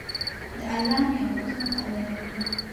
د الله نعمتونو قدر وکړئ.